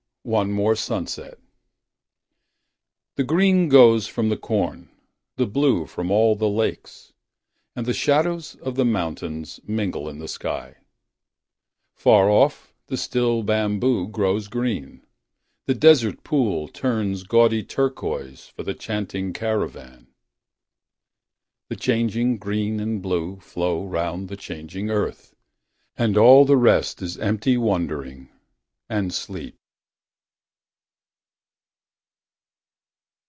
One More Sunset The green goes from the corn. The blue from all the lakes. And the shadows of the mountains mingle in the sky. Far off, the still bamboo Grows green; the desert pool Turns gaudy turquoise for the chanting caravan. The changing green and blue Flow round the changing earth; And all the rest is empty wondering and sleep.